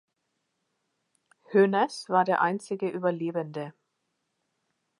Hoeneß war der einzige Überlebende.